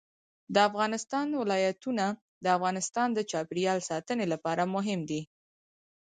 د افغانستان ولايتونه د افغانستان د چاپیریال ساتنې لپاره مهم دي.